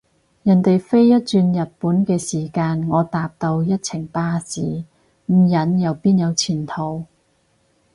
人哋飛一轉日本嘅時間，我搭到一程巴士，唔忍又邊有前途？